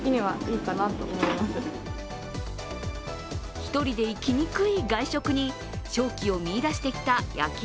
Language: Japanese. １人で行きにくい外食に商機を見出してきた焼肉